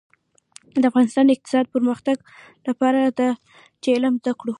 د افغانستان د اقتصادي پرمختګ لپاره پکار ده چې علم زده کړو.